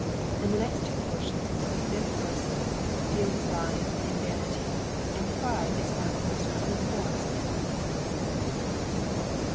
In the next two portions the fifth verses deal with lying and vanity, and pride is one of the most common forms of those evils.